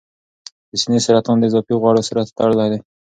د سینې سرطان د اضافي غوړو سره تړلی دی.